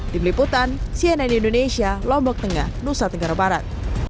di meliputan cnn indonesia lombok tengah nusa tenggara barat